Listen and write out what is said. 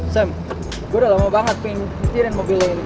sam gue udah lama banget pengen ngitirin mobilnya ini